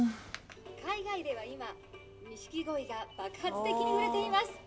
海外では今錦鯉が爆発的に売れています。